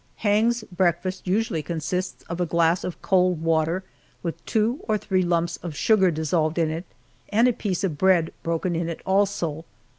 Hang's breakfast usually consists of a glass of cold water with two or three lumps of sugar dissolved in it and a piece of bread broken in it also.